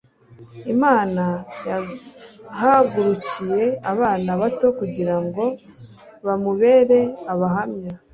Imana yahagurukiye abana bato kugira ngo bamubere abahamya.